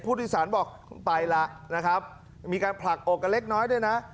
ผู้โดยสารบอกไปละนะครับมีการผลักอกกันเล็กน้อยด้วยนะ